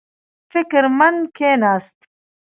فکر مند کېناست.